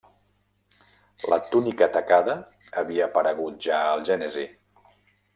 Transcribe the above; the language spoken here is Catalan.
La túnica tacada havia aparegut ja al Gènesi.